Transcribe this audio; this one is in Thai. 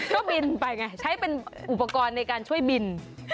ก็บินไปไงใช้เป็นอุปกรณ์ในการช่วยบิน